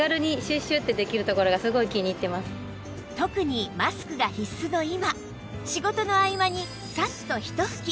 特にマスクが必須の今仕事の合間にサッとひと吹き